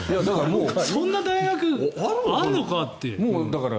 そんな大学あるのかって。